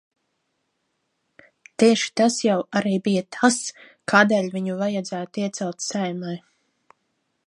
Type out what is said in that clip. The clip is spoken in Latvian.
Tieši tas jau arī bija tas, kādēļ viņu vajadzētu iecelt Saeimai.